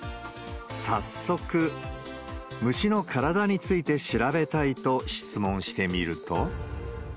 早速、虫の体について調べたいと質問してみると。